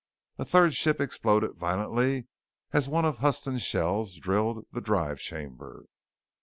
A third ship exploded violently as one of Huston's shells drilled the drive chamber.